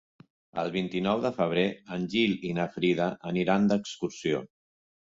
El vint-i-nou de febrer en Gil i na Frida aniran d'excursió.